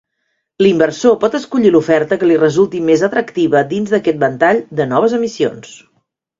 L'inversor pot escollir l'oferta que li resulti més atractiva dins d'aquest ventall de noves emissions.